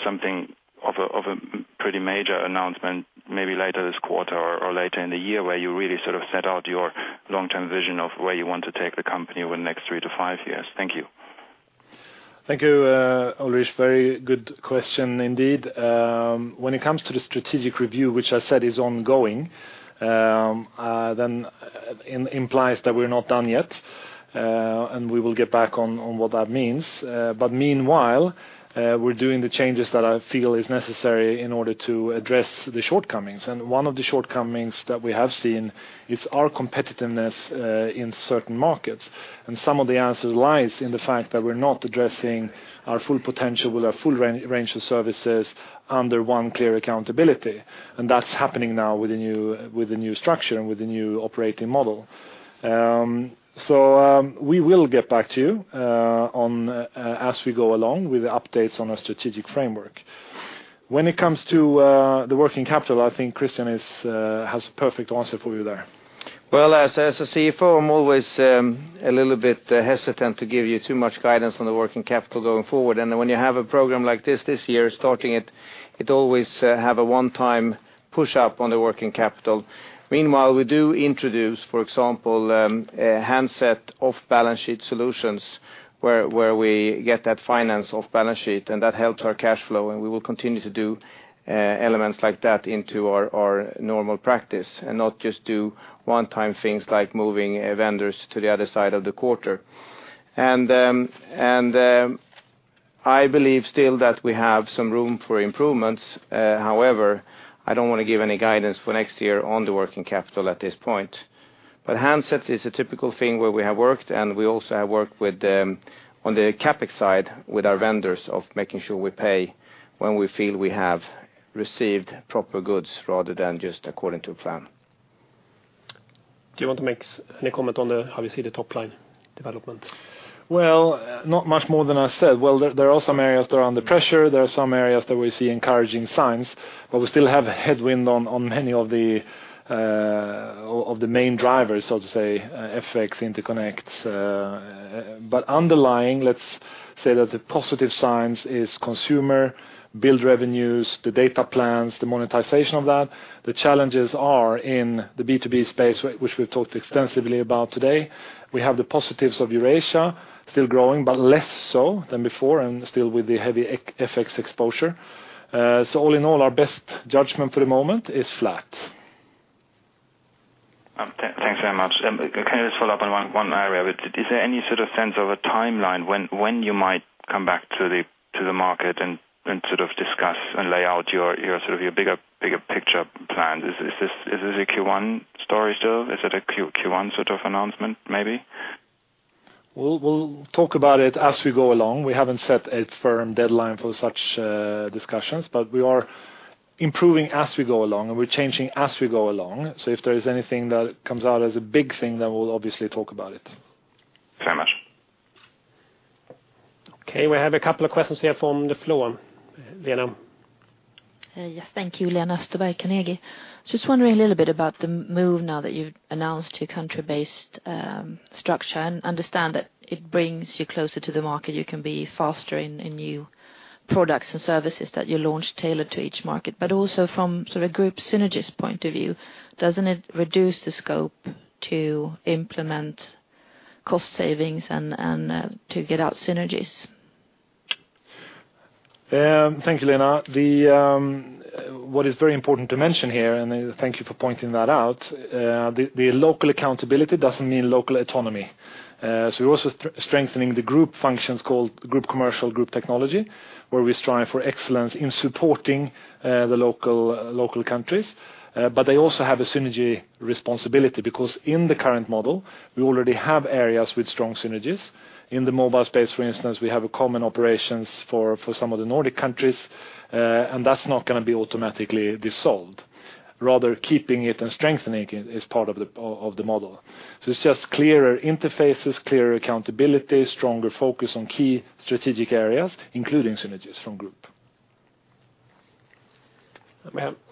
something of a pretty major announcement maybe later this quarter or later in the year, where you really set out your long-term vision of where you want to take the company over the next three to five years. Thank you. Thank you, Ulrich. Very good question indeed. When it comes to the strategic review, which I said is ongoing, implies that we're not done yet, we will get back on what that means. Meanwhile, we're doing the changes that I feel is necessary in order to address the shortcomings. One of the shortcomings that we have seen, it's our competitiveness in certain markets. Some of the answers lies in the fact that we're not addressing our full potential with our full range of services under one clear accountability. That's happening now with the new structure and with the new operating model. We will get back to you as we go along with the updates on our strategic framework. When it comes to the working capital, I think Christian has a perfect answer for you there. Well, as a CFO, I'm always a little bit hesitant to give you too much guidance on the working capital going forward. When you have a program like this year, starting it always have a one-time push-up on the working capital. Meanwhile, we do introduce, for example, handset off-balance-sheet solutions, where we get that finance off balance sheet, and that helps our cash flow, we will continue to do elements like that into our normal practice and not just do one-time things like moving vendors to the other side of the quarter. I believe still that we have some room for improvements. However, I don't want to give any guidance for next year on the working capital at this point. Handsets is a typical thing where we have worked, and we also have worked on the CapEx side with our vendors of making sure we pay when we feel we have received proper goods rather than just according to plan. Do you want to make any comment on how we see the top-line development? Well, not much more than I said. Well, there are some areas that are under pressure. There are some areas that we see encouraging signs, but we still have headwind on many of the main drivers, so to say, FX interconnect. Underlying, let's say that the positive signs is consumer billed revenues, the data plans, the monetization of that. The challenges are in the B2B space, which we've talked extensively about today. We have the positives of Eurasia still growing, but less so than before, and still with the heavy FX exposure. All in all, our best judgment for the moment is flat. Thanks very much. Can I just follow up on one area? Is there any sense of a timeline when you might come back to the market and discuss and lay out your bigger picture plan? Is this a Q1 story still? Is it a Q1 announcement maybe? We'll talk about it as we go along. We haven't set a firm deadline for such discussions, but we are improving as we go along, and we're changing as we go along. If there is anything that comes out as a big thing, then we'll obviously talk about it. Very much. Okay, we have a couple of questions here from the floor. Lena. Yes. Thank you, Lena Österberg, Carnegie. Just wondering a little bit about the move now that you've announced your country-based structure and understand that it brings you closer to the market. You can be faster in new products and services that you launch tailored to each market. Also from group synergies point of view, doesn't it reduce the scope to implement cost savings and to get out synergies. Thank you, Lena. What is very important to mention here, and thank you for pointing that out, the local accountability doesn't mean local autonomy. We're also strengthening the group functions called group commercial, group technology, where we strive for excellence in supporting the local countries. They also have a synergy responsibility, because in the current model, we already have areas with strong synergies. In the mobile space, for instance, we have common operations for some of the Nordic countries, and that's not going to be automatically dissolved. Rather, keeping it and strengthening it is part of the model. It's just clearer interfaces, clearer accountability, stronger focus on key strategic areas, including synergies from group.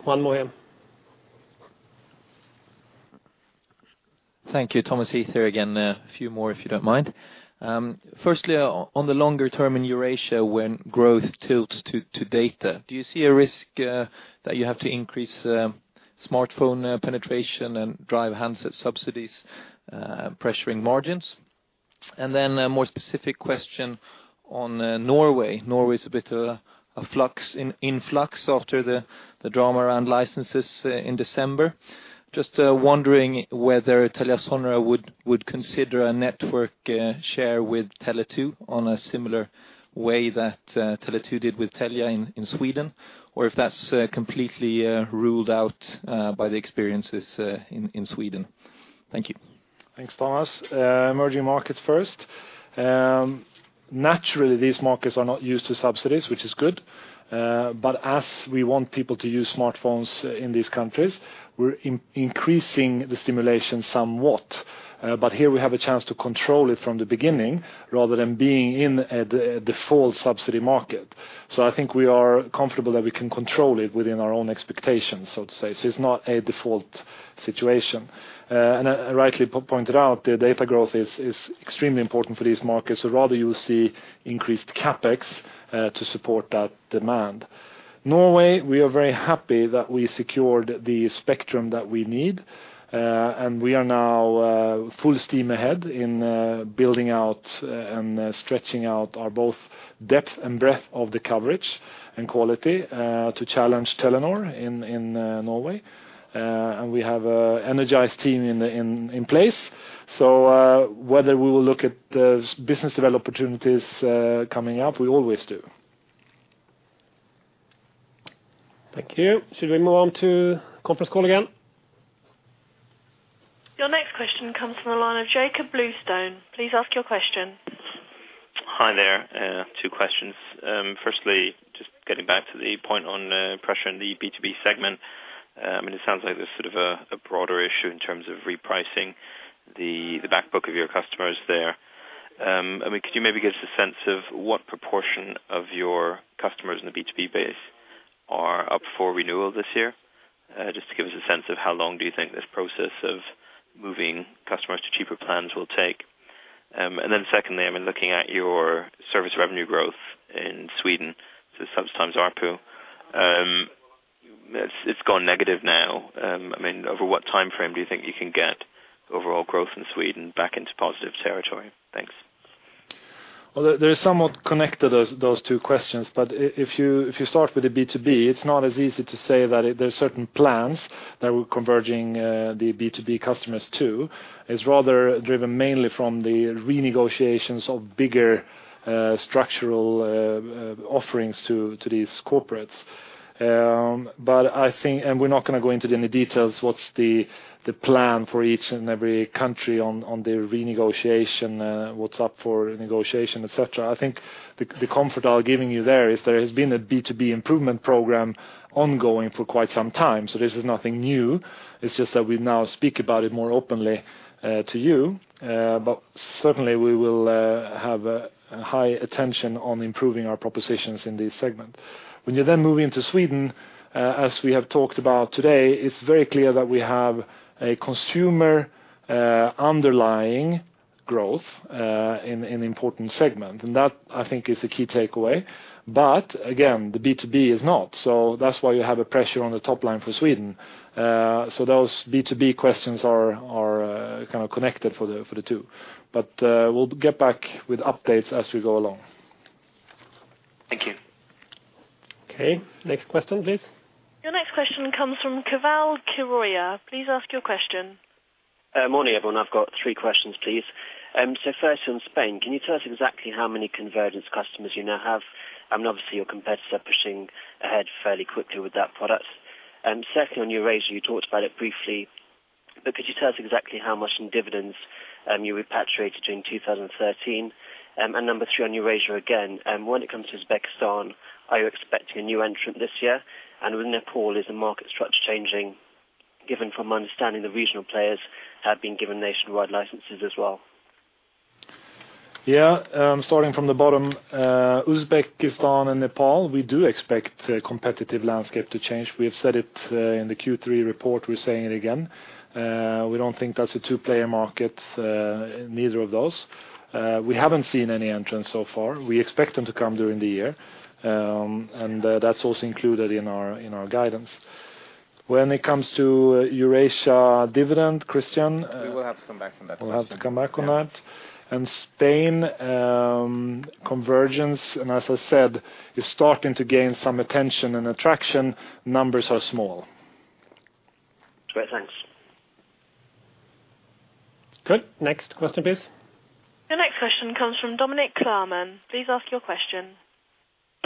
One more in. Thank you. Thomas here again. A few more, if you don't mind. Firstly, on the longer term in Eurasia, when growth tilts to data, do you see a risk that you have to increase smartphone penetration and drive handset subsidies, pressuring margins? Then a more specific question on Norway. Norway's a bit of influx after the drama around licenses in December. Just wondering whether TeliaSonera would consider a network share with Tele2 on a similar way that Tele2 did with Telia in Sweden, or if that's completely ruled out by the experiences in Sweden. Thank you. Thanks, Thomas. Emerging markets first. Naturally, these markets are not used to subsidies, which is good. As we want people to use smartphones in these countries, we're increasing the stimulation somewhat. Here we have a chance to control it from the beginning rather than being in a default subsidy market. I think we are comfortable that we can control it within our own expectations, so to say. It's not a default situation. Rightly pointed out, the data growth is extremely important for these markets. Rather you will see increased CapEx to support that demand. Norway, we are very happy that we secured the spectrum that we need, and we are now full steam ahead in building out and stretching out our both depth and breadth of the coverage and quality to challenge Telenor in Norway. We have an energized team in place. Whether we will look at business develop opportunities coming up, we always do. Thank you. Should we move on to conference call again? Your next question comes from the line of Jakob Bluestone. Please ask your question. Hi there. Two questions. Firstly, just getting back to the point on pressure in the B2B segment. It sounds like there's sort of a broader issue in terms of repricing the back book of your customers there. Could you maybe give us a sense of what proportion of your customers in the B2B base are up for renewal this year? Just to give us a sense of how long do you think this process of moving customers to cheaper plans will take. Secondly, looking at your service revenue growth in Sweden, so subs times ARPU, it's gone negative now. Over what timeframe do you think you can get overall growth in Sweden back into positive territory? Thanks. Well, they're somewhat connected, those two questions. If you start with the B2B, it's not as easy to say that there's certain plans that we're converging the B2B customers to. It's rather driven mainly from the renegotiations of bigger structural offerings to these corporates. We're not going to go into any details, what's the plan for each and every country on the renegotiation, what's up for negotiation, et cetera. I think the comfort I'm giving you there is there has been a B2B improvement program ongoing for quite some time. This is nothing new. It's just that we now speak about it more openly to you. Certainly, we will have a high attention on improving our propositions in this segment. When you move into Sweden, as we have talked about today, it's very clear that we have a consumer underlying growth in important segment. That, I think, is the key takeaway. Again, the B2B is not. That's why you have a pressure on the top line for Sweden. Those B2B questions are kind of connected for the two. We'll get back with updates as we go along. Thank you. Okay. Next question, please. Your next question comes from Keval Khiroya. Please ask your question. Morning, everyone. I've got three questions, please. First on Spain, can you tell us exactly how many convergence customers you now have? Obviously, your competitors are pushing ahead fairly quickly with that product. Secondly on Eurasia, you talked about it briefly, could you tell us exactly how much in dividends you repatriated during 2013? Number three on Eurasia again, when it comes to Uzbekistan, are you expecting a new entrant this year? With Nepal, is the market structure changing, given from understanding the regional players have been given nationwide licenses as well? Yeah. Starting from the bottom, Uzbekistan and Nepal, we do expect competitive landscape to change. We have said it in the Q3 report, we're saying it again. We don't think that's a two-player market, neither of those. We haven't seen any entrants so far. We expect them to come during the year, that's also included in our guidance. When it comes to Eurasia dividend, Christian? We will have to come back on that. We'll have to come back on that. Spain convergence, and as I said, is starting to gain some attention and attraction. Numbers are small. Great. Thanks. Good. Next question, please. Your next question comes from Dominic Klarmann. Please ask your question.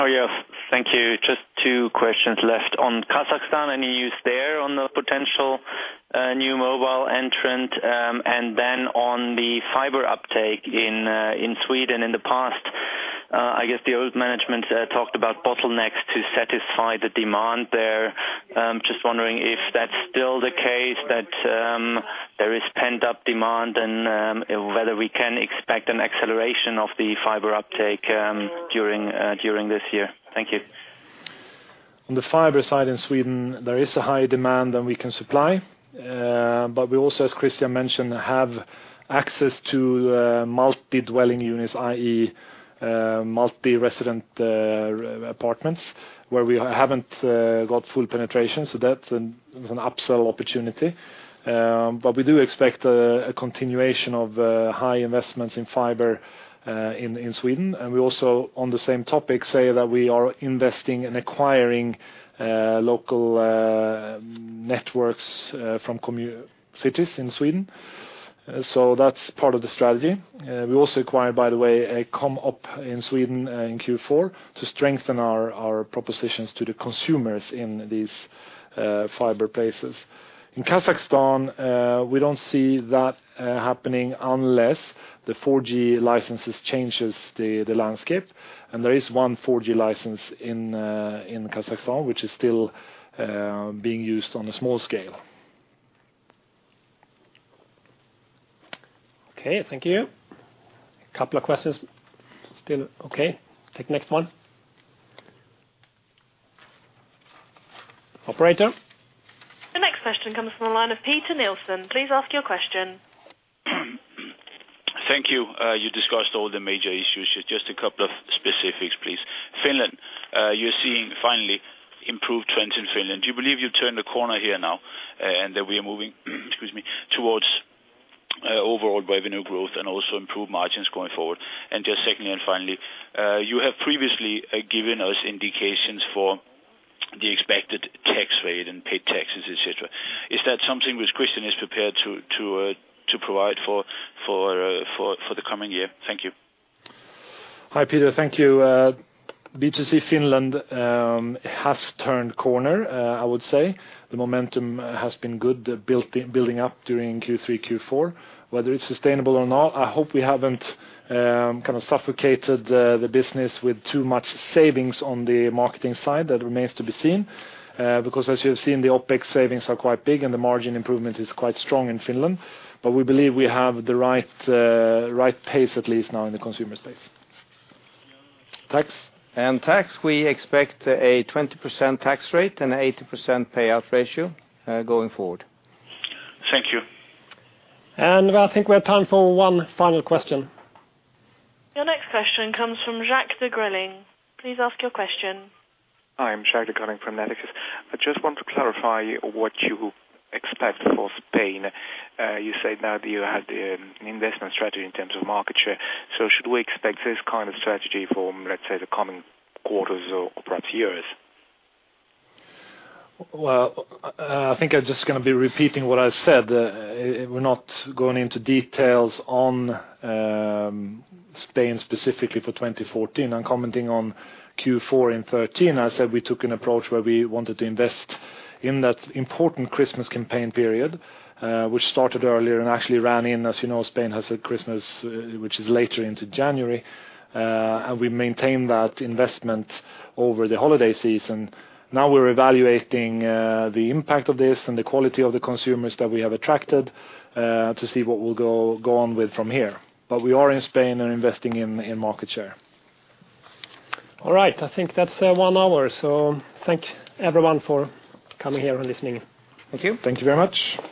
Yes. Thank you. Just two questions left. On Kazakhstan, any news there on the potential new mobile entrant? On the fiber uptake in Sweden in the past, I guess the old management talked about bottlenecks to satisfy the demand there. Just wondering if that's still the case that there is pent-up demand, and whether we can expect an acceleration of the fiber uptake during this year. Thank you. On the fiber side in Sweden, there is a high demand, and we can supply. We also, as Christian mentioned, have access to multi-dwelling units, i.e., multi-resident apartments, where we haven't got full penetration, so that's an upsell opportunity. We do expect a continuation of high investments in fiber in Sweden. We also, on the same topic, say that we are investing in acquiring local networks from cities in Sweden. That's part of the strategy. We also acquired, by the way, a comm op in Sweden in Q4 to strengthen our propositions to the consumers in these fiber places. In Kazakhstan, we don't see that happening unless the 4G licenses changes the landscape. There is one 4G license in Kazakhstan, which is still being used on a small scale. Okay. Thank you. Couple of questions still. Okay. Take next one. Operator? The next question comes from the line of Peter Nielsen. Please ask your question. Thank you. You discussed all the major issues. Just a couple of specifics, please. Finland, you are seeing finally improved trends in Finland. Do you believe you turned the corner here now, and that we are moving excuse me, towards overall revenue growth and also improved margins going forward? Secondly and finally, you have previously given us indications for the expected tax rate and paid taxes, et cetera. Is that something which Christian is prepared to provide for the coming year? Thank you. Hi, Peter. Thank you. B2C Finland has turned corner, I would say. The momentum has been good, building up during Q3, Q4. Whether it is sustainable or not, I hope we haven't suffocated the business with too much savings on the marketing side. That remains to be seen. As you have seen, the OpEx savings are quite big, and the margin improvement is quite strong in Finland. We believe we have the right pace, at least, now in the consumer space. Tax? Tax, we expect a 20% tax rate and 80% payout ratio going forward. Thank you. I think we have time for one final question. Your next question comes from Jacques de Greling. Please ask your question. Hi, I'm Jacques de Greling from Natixis. I just want to clarify what you expect for Spain. You said now that you had an investment strategy in terms of market share. Should we expect this kind of strategy for, let's say, the coming quarters or perhaps years? Well, I think I'm just going to be repeating what I said. We're not going into details on Spain specifically for 2014. I'm commenting on Q4 in 2013. I said we took an approach where we wanted to invest in that important Christmas campaign period, which started earlier and actually ran in, as you know, Spain has a Christmas which is later into January. We maintained that investment over the holiday season. Now we're evaluating the impact of this and the quality of the consumers that we have attracted to see what we'll go on with from here. We are in Spain and investing in market share. All right. I think that's one hour. Thank everyone for coming here and listening. Thank you. Thank you very much.